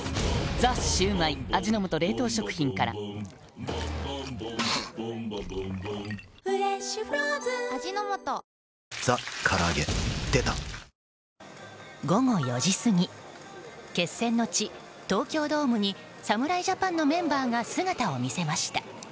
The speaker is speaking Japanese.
「ザ★シュウマイ」味の素冷凍食品から「ザ★から揚げ」出た午後４時過ぎ決戦の地、東京ドームに侍ジャパンのメンバーが姿を見せました。